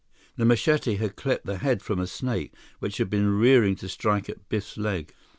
The machete had clipped the head from a snake which had been rearing to strike at Biff's leg.